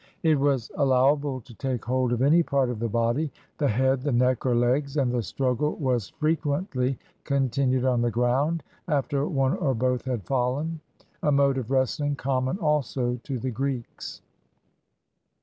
It was allowable to take hold of any part of the body, the head, the neck, or legs; and the struggle was frequently con tinued on the ground, after one or both had fallen; a mode of wrestling common also to the Greeks.